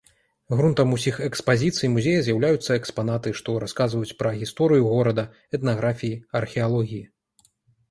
Грунтам усіх экспазіцый музея з'яўляюцца экспанаты, што расказваюць пра гісторыю горада, этнаграфіі, археалогіі.